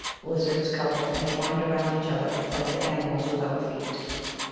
Lizards couple entwined around each other, like the animals without feet.